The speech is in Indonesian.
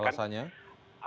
alasan pertama bahwa